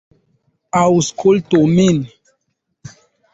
Aŭskultu min.